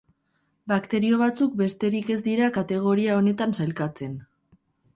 Bakterio batzuk besterik ez dira kategoria honetan sailkatzen.